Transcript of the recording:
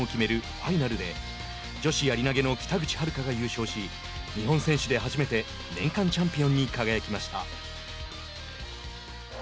ファイナルで女子やり投げの北口榛花が優勝し日本選手で初めて年間チャンピオンに輝きました。